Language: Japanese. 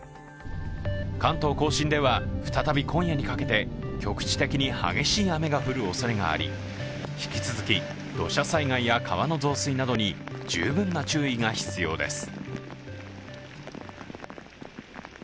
関東甲信では再び今夜にかけて局地的に激しい雨が降るおそれがあり引き続き土砂災害や川の増水などに十分な注意が必要です。